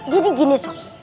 jadi gini sob